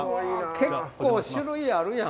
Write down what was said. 結構種類あるやん。